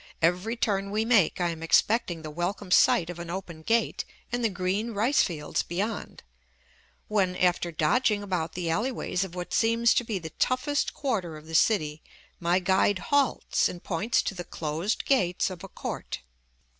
Every turn we make I am expecting the welcome sight of an open gate and the green rice fields beyond, when, after dodging about the alleyways of what seems to be the toughest quarter of the city, my guide halts and points to the closed gates of a court.